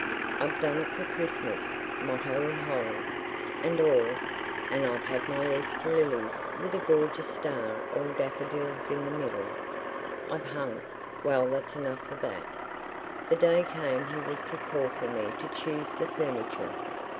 I've done it for Christmas—motto in holly, and all—and I've had my Easter lilies with a gorgeous star all daffodils in the middle. I've hung—well, that's enough of that. The day came he was to call for me to choose the furniture.